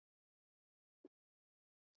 法翁伊什是葡萄牙波尔图区的一个堂区。